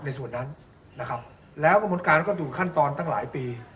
ในส่วนนั้นนะครับแล้วกระบวนการก็ดูขั้นตอนตั้งหลายปี